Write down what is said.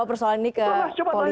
oke baik saya tangkap poinnya